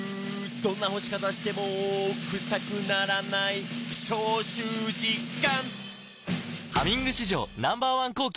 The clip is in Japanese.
「どんな干し方してもクサくならない」「消臭実感！」